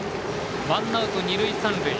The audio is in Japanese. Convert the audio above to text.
ワンアウト、二塁三塁。